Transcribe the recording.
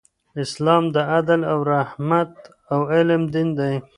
اسلام د عدل، رحمت او علم دین دی.